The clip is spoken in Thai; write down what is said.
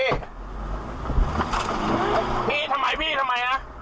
พี่ทำไมพี่ทำไมฮะ